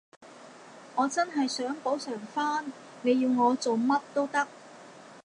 我真係想補償返，你要我做乜都得